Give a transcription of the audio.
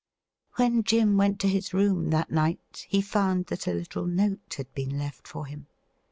When Jim went to his room that night, he found that a little note had been left for him.